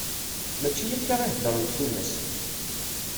Mačči akka i heddrent tullas.